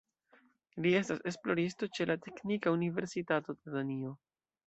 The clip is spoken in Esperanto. Li estas esploristo ĉe la Teknika Universitato de Danio.